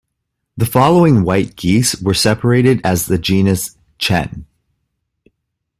The following white geese were separated as the genus "Chen".